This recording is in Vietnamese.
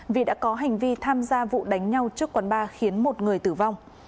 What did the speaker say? vì đã có hành vi tham gia vụ đánh nhau trước quán ba khiến một người tử vong